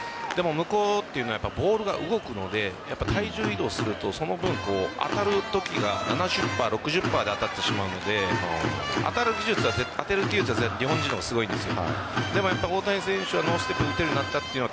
向こうというのはボールが動くので体重移動するとその分当たるときが７０％、６０％で当たってしまうので当たる技術は絶対、日本人の方がすごいんです。